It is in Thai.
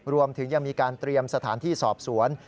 รวมถึงยังมีการเตรียมสถานที่สอบสวน